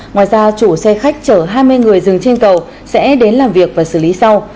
ngoài ra chủ xe khách chở hai mươi người dừng trên cầu sẽ đến làm việc và xử lý sau